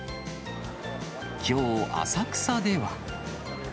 きょう、浅草では。